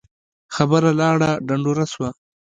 خبره لاړه ډنډوره سوه